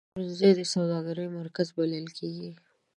پلورنځی د سوداګرۍ مرکز بلل کېږي.